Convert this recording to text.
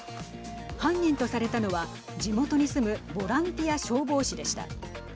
犯人とされたのは地元に住むボランティア消防士でした。